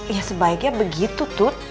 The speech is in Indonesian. ya sebaiknya begitu tut